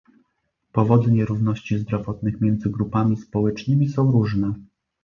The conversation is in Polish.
Powody nierówności zdrowotnych między grupami społecznymi są różne